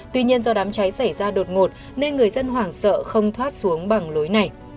tuy nhiên do đám cháy xảy ra đột ngột nên người dân hoảng sợ không thoát xuống bằng lối này